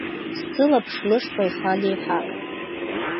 Сылаԥш лышҟа ихан еиҳа.